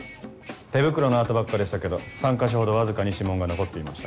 手袋の跡ばっかでしたけど３か所ほどわずかに指紋が残っていました。